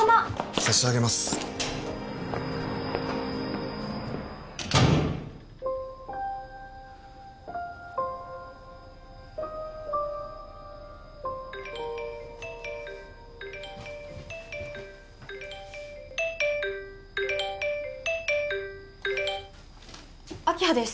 差し上げます明葉です